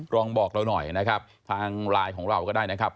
ลองบอกเราหน่อยนะครับทางไลน์ของเราก็ได้นะครับ